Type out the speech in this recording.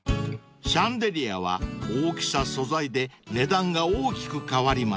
［シャンデリアは大きさ素材で値段が大きく変わります］